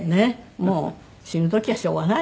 もう死ぬ時はしょうがない。